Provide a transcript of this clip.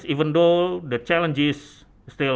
kita berada di tempat yang lebih baik